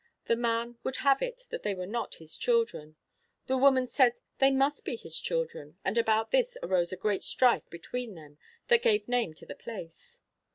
The man would have it that they were not his children; the woman said they must be their children, and about this arose the great strife between them that gave name to the place.